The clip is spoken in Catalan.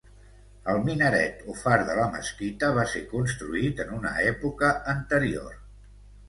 El minaret o far de la mesquita va ser construït en una època anterior.